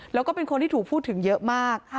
แล้วก็เป็นคนที่ถูกพูดถึงเยอะมาก